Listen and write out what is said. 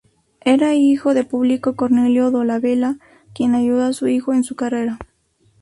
Era hijo de Publio Cornelio Dolabela, quien ayudó a su hijo en su carrera.